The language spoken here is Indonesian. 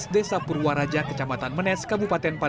dari bentuk abu rara